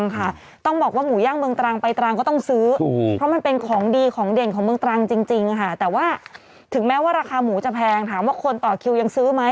แกบอกตอนนี้แกสึกมาแล้วนะแกเตะปากพิษีได้